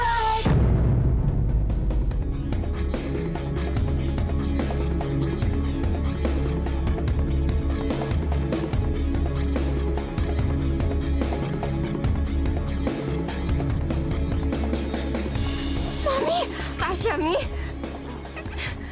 benar semua yang ada